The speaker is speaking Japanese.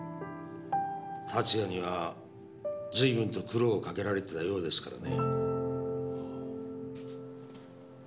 龍哉には随分と苦労をかけられてたようですからね。